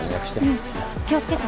うん気を付けてね。